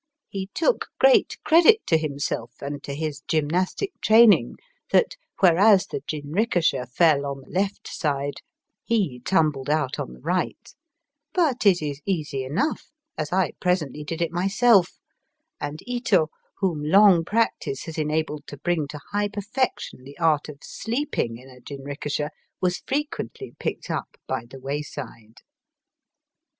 He took great credit to him self and to his gymnastic training that, Digitized by VjOOQIC ACEOSS COUNTET IN JINEIKISHAS. 245 whereas the jinrikislia fell on the left side, he tumbled out on the right. But it is easy enough, for I presently did it myself, and Ito, whom long practice has enabled to bring to high perfection the art of sleeping in a jin rikisha, was frequently picked up by the wayside.